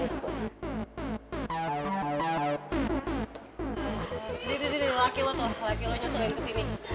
diri diri laki lo tuh laki lo nyosolin ke sini